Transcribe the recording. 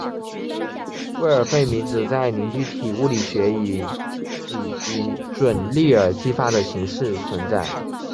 魏尔费米子在凝聚体物理学里以准粒子激发的形式存在。